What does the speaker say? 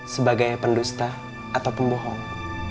sebagai pendusta atau pembohong